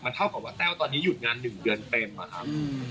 เท่ากับว่าแต้วตอนนี้หยุดงาน๑เดือนเต็มอะครับ